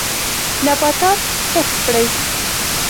نباتات کښت کړئ.